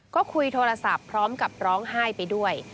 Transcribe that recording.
ก็คุยโทรศัพท์พร้อมกับร้องไห้ไปด้วย